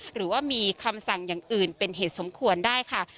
หรือว่ามีคำสั่งอย่างอื่นเป็นเหตุสมควรได้ค่ะ